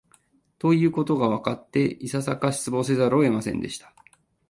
ということがわかって、いささか失望せざるを得ませんでした